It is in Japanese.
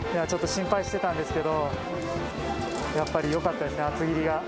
ちょっと心配してたんですけど、やっぱりよかったですね、厚切りが。